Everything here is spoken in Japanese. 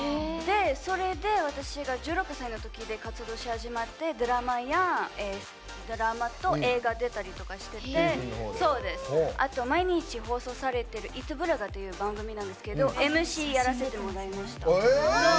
それで、私が１６歳のとき活動して、ドラマと映画出たりとかしてあと、毎日放送されてる「ＥａｔＢｕｌａｇａ！」という番組なんですけどＭＣやらせてもらいました。